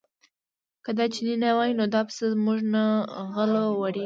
که دا چینی نه وای نو دا پسه موږ نه غلو وړی و.